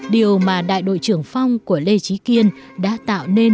điều mà đại đội trưởng phong của lê trí kiên đã tạo nên